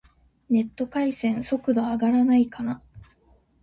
ネット回線、速度上がらないかな